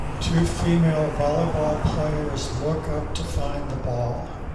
Two female volleyball players look up to find the ball